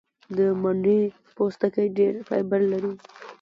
د مڼې پوستکی ډېر فایبر لري.